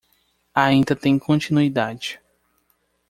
Ainda tem continuidade